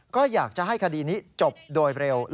ก็อยากจะให้คดีนี้จบโดยเร็ว